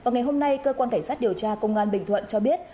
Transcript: ngày hôm nay cơ quan cảnh sát điều tra công an bình thuận cho biết